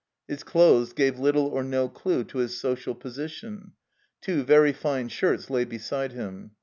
His clothes gave little or no clue to his social position. Two very fine shirts lay beside him.